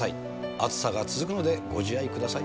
暑さが続くので、ご自愛ください。